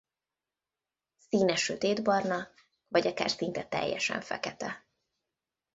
Színe sötétbarna vagy akár szinte teljesen fekete.